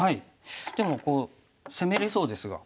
でもこう攻めれそうですが。